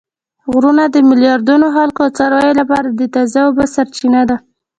غرونه د میلیاردونو خلکو او څارویو لپاره د تازه اوبو سرچینه ده